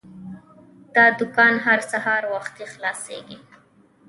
دا دوکان هر سهار وختي خلاصیږي.